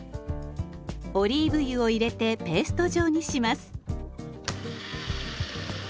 オリーブ油を入れてペースト状にします。